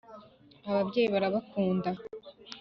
ababyeyi barabakunda